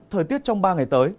thời tiết trong ba ngày tới